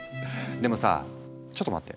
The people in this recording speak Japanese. でもさちょっと待って。